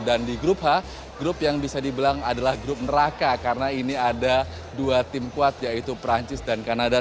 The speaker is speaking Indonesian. dan di grup h grup yang bisa dibilang adalah grup neraka karena ini ada dua tim kuat yaitu perancis dan kanada